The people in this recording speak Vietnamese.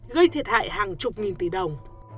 gây thiệt hại hàng chục nghìn tỷ đồng